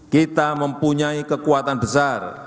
kita mempunyai kekuatan besar